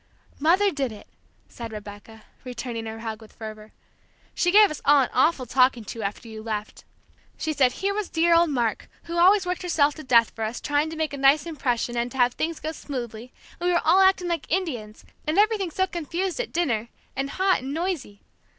"Mother did it," said Rebecca, returning her hug with fervor. "She gave us all an awful talking to, after you left! She said here was dear old Mark, who always worked herself to death for us, trying to make a nice impression, and to have things go smoothly, and we were all acting like Indians, and everything so confused at dinner, and hot and noisy!